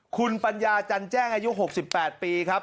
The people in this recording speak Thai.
คุณปัญญาจันแจ้งอายุ๖๘ปีครับ